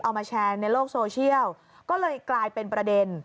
เอามาแชร์ในโลกโซเชียลก็เลยกลายเป็นประเด็น